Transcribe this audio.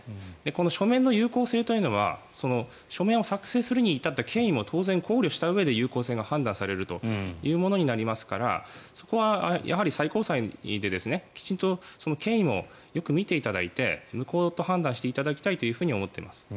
この署名の有効性というのは書面を作成するに至った経緯も、当然考慮したうえで有効性が判断されるというものになりますからそこは最高裁できちんと経緯をよく見ていただいて無効と判断していただきたいと思っています。